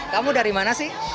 kamu dari mana sih